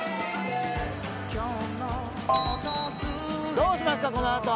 どうしますかこのあと。